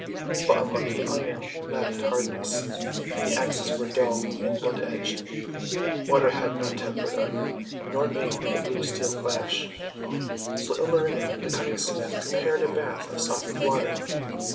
But unlucky Iron lacked hardness; the axes all were dull and blunt edged. Water had not tempered Iron, nor made the blue Steel flash. So Ilmarinen the Cunning Smith prepared a bath of softened water.